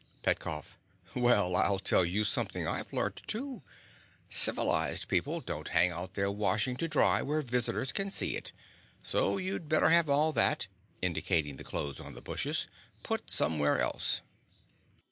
PETKOFF. Well, I'll tell you something I've learnt, too. Civilized people don't hang out their washing to dry where visitors can see it; so you'd better have all that (indicating the clothes on the bushes) put somewhere else.